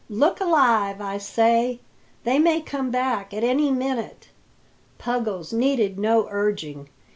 Look alive, I say they may come back at any minute." Puggles needed no urging.